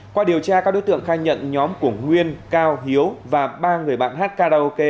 qua điều tra các đối tượng khai nhận nhóm của nguyên cao hiếu và ba người bạn hát karaoke